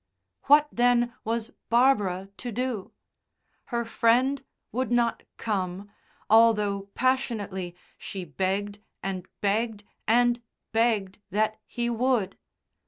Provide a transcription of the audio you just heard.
What, then, was Barbara to do? Her friend would not come, although passionately she begged and begged and begged that he would.